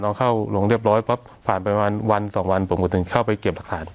เข้าลงเรียบร้อยปั๊บผ่านไปประมาณวันสองวันผมก็ถึงเข้าไปเก็บหลักฐาน